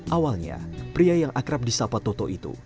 awalnya pria yang akrab di sapa toto itu